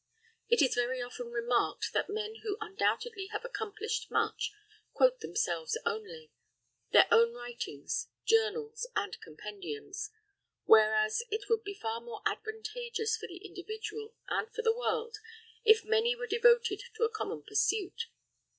It is very often remarked that men who undoubtedly have accomplished much, quote themselves only, their own writings, journals, and compendiums; whereas it would be far more advantageous for the individual, and for the world, if many were devoted to a common pursuit.